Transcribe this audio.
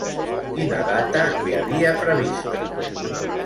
Quina data hi havia prevista?